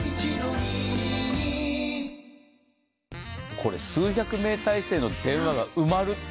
これ、数百名態勢の電話が埋まるって。